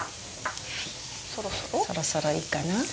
そろそろそろそろいいかな。